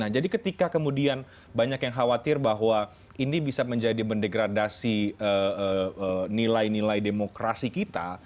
jadi ketika kemudian banyak yang khawatir bahwa ini bisa menjadi mendegradasi nilai nilai demokrasi kita